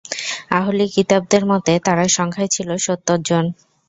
আহলি কিতাবদের মতে, তারা সংখ্যায় ছিল সত্তরজন।